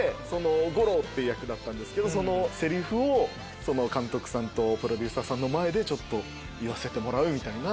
五郎って役なんですけどそのセリフを監督さんとプロデューサーさんの前で言わせてもらうみたいな。